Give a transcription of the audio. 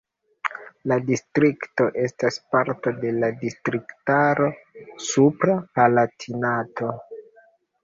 La distrikto estas parto de la distriktaro Supra Palatinato.